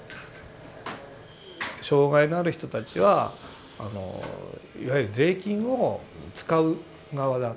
障害のある人たちはあのいわゆる税金を使う側だ。